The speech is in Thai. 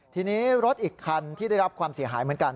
ทีนี้รถอีกคันที่ได้รับความเสียหายเหมือนกัน